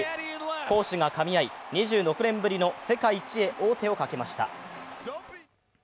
攻守がかみ合い２６年ぶりの世界一へ王手をかけました。